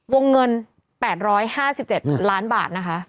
วงเงิน๘๕๗ล้านบาทนะคะ